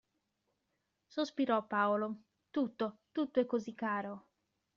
Sospirò Paolo, – tutto, tutto è così caro!